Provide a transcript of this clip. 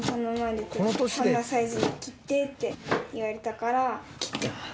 こんなサイズに切ってって言われたから切ってます。